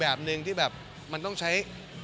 มีอีกประมาณ๑๐ปี